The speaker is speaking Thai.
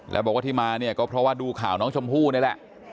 แล้วบอกว่าที่มาเนี่ยก็เพราะว่าดูข่าวน้องชมพู่นี่แหละ